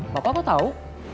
bapak kok tahu